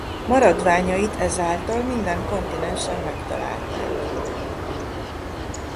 Maradványait ezáltal minden kontinensen megtalálták.